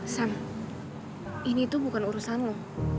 sam ini tuh bukan urusan lo